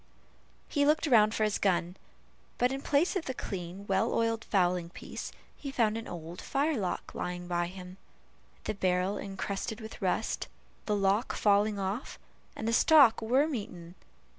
He looked round for his gun, but in place of the clean well oiled fowling piece, he found an old firelock lying by him, the barrel encrusted with rust, the lock falling off, and the stock worm eaten.